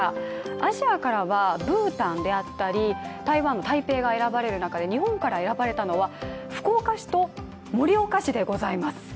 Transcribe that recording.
アジアからはブータンで会ったり台湾、台北が選ばれる中で日本から選ばれたのは福岡市と盛岡市でございます。